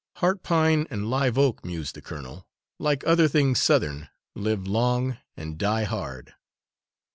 Heart pine and live oak, mused the colonel, like other things Southern, live long and die hard.